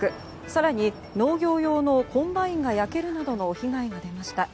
更に農業用のコンバインが焼けるなどの被害が出ました。